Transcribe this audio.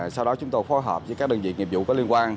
sau đó chúng tôi phối hợp với các đơn vị nghiệp vụ có liên quan